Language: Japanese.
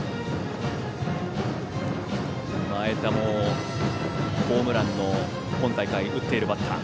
前田もホームランを今大会、打っているバッター。